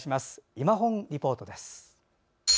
「いまほんリポート」です。